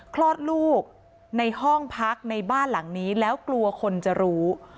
คลอดลูกในห้องพักในบ้านหลังนี้แล้วกลัวคนจะรู้